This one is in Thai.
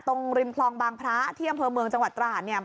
ริมคลองบางพระที่อำเภอเมืองจังหวัดตราดเนี่ย